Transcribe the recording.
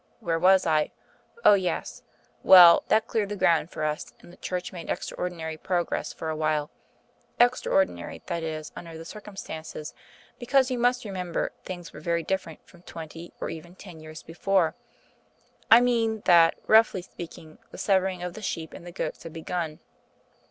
Where was I? Oh, yes.... Well, that cleared the ground for us, and the Church made extraordinary progress for a while extraordinary, that is, under the circumstances, because you must remember, things were very different from twenty, or even ten, years before. I mean that, roughly speaking, the severing of the sheep and the goats had begun.